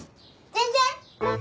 全然？